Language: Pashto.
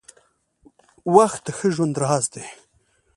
• وخت د ښه ژوند راز دی.